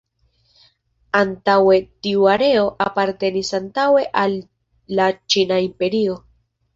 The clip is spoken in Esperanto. Antaŭe tiu areo apartenis antaŭe al la Ĉina Imperio.